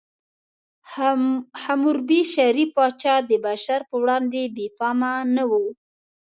حموربي، شریف پاچا، د بشر په وړاندې بې پامه نه و.